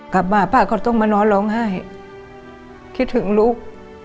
กลับมาป่าเขาต้องมานอนเราง่ายคิดถึงลูก